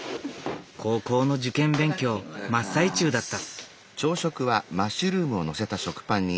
高校の受験勉強真っ最中だった。